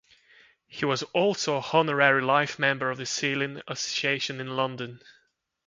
He was also an Honorary Life Member of the Ceylon Association in London.